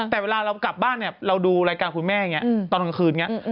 แต่เวลาเรากลับบ้านเนี่ยเราดูรายการคุณแม่อย่างนี้ตอนกลางคืนอย่างนี้